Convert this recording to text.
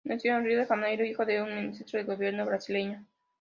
Nació en Río de Janeiro, hijo de un ministro del gobierno brasileño.